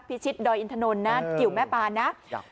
พี่ชิชดอยินทะนนท์กิห์แม่ปลานะ